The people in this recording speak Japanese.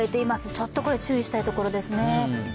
ちょっとこれ注意したいところですね。